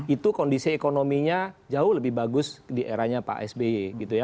itu kondisi ekonominya jauh lebih bagus di eranya pak sby gitu ya